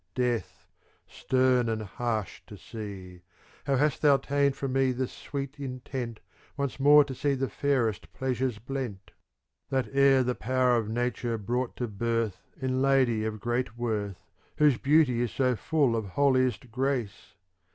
Death, stern and harsh to see, How hast thou ta'en from me the sweet in tent, Once more to see the fairest pleasures blent. That e'er the power of Nature brought to birth In lady of great worth. Whose beauty is so full of holiest grace